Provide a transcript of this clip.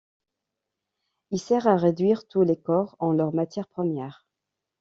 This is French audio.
Il sert à réduire tous les corps en leur matière première.